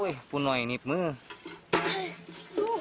อุ๊ยปุ่นหน่อยนิดมือ